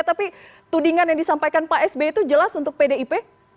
tapi tudingan yang disampaikan pak sby itu jelas untuk pdip